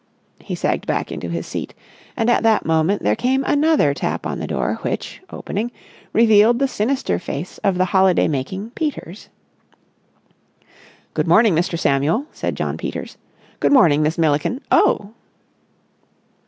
He sagged back into his seat; and at that moment there came another tap on the door which, opening, revealed the sinister face of the holiday making Peters. "Good morning, Mr. Samuel," said Jno. Peters. "Good morning, Miss Milliken. Oh!"